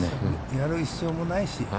やる必要もないし。